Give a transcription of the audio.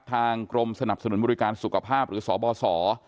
กรมสนับสนุนบริการสุขภาพหรือสบส